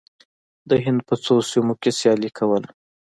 د هند په څو سیمو کې سیالي کوله.